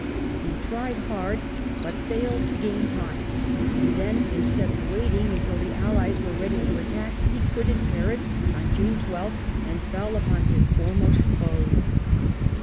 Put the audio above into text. He tried hard, but failed, to gain time ; and then instead of waiting until the Allies were ready to attack, he quitted Paris on June 12th and fell upon his foremost foes.